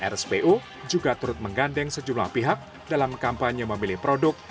rspo juga turut menggandeng sejumlah pihak dalam kampanye memilih produk